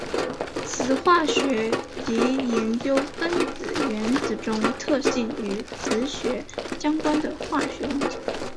磁化学即研究分子原子中特性与磁学相关的化学问题。